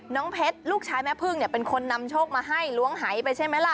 เพชรลูกชายแม่พึ่งเนี่ยเป็นคนนำโชคมาให้ล้วงหายไปใช่ไหมล่ะ